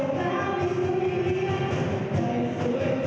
ครับ